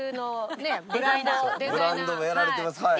ブランドもやられてますはい。